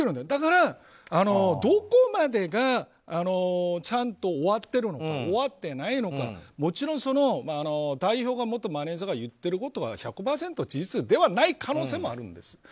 だから、どこまでがちゃんと終わってるのか終わっていないのかもちろん代表元マネジャーが言っていることが１００％事実ではない可能性もあるんです。